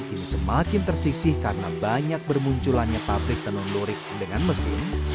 kini semakin tersisih karena banyak bermunculannya pabrik tenun lurik dengan mesin